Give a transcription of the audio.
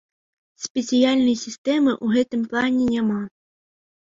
Спецыяльнай сістэмы ў гэтым плане няма.